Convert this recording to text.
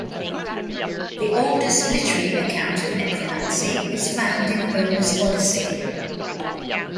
The oldest literary account of necromancy is found in Homer's "Odyssey".